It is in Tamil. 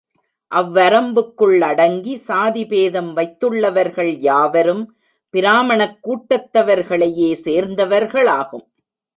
அவ்வரம்புக்குள் அடங்கி சாதி பேதம் வைத்துள்ளவர்கள் யாவரும் பிராமணக் கூட்டத்தவர்களையே சேர்ந்தவர்களாகும்.